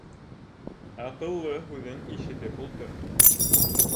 Аҡыллы һүҙен ишетеп ултыр.